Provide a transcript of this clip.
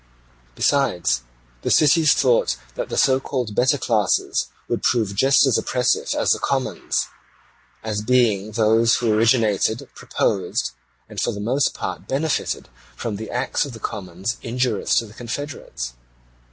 Besides, the cities thought that the so called better classes would prove just as oppressive as the commons, as being those who originated, proposed, and for the most part benefited from the acts of the commons injurious to the confederates.